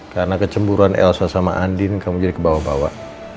karena kecemburan elsa sama andin kamu jadi kebawa bawa